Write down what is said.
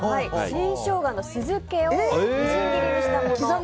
新ショウガの酢漬けをみじん切りにしたもの。